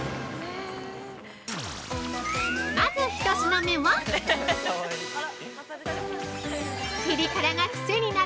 まず１品目はピリ辛が癖になる